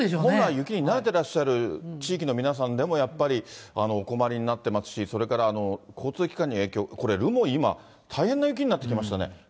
本来、雪に慣れてらっしゃる地域の皆さんでも、やっぱりお困りになってますし、それから交通機関に影響、これ、留萌、今、大変な雪になってきましたね。